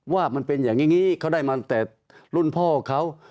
ว่ามันเป็นอย่างนี้เขาได้มาแต่รุ่นพ่อเขา